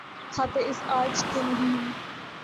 کھاتے آج کے نہیں ہیں۔